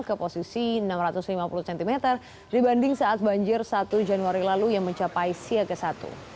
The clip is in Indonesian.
ke posisi enam ratus lima puluh cm dibanding saat banjir satu januari lalu yang mencapai siaga satu